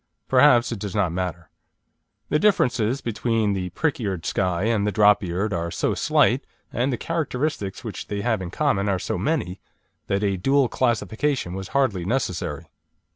Perhaps it does not matter. The differences between the prick eared Skye and the drop eared are so slight, and the characteristics which they have in common are so many, that a dual classification was hardly necessary.